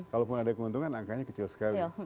kalau pun ada keuntungan angkanya kecil sekali